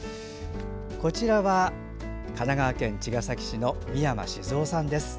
こちらは神奈川県茅ヶ崎市の三山静雄さんです。